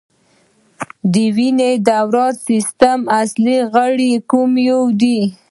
د وینې دوران سیستم اصلي غړی کوم یو دی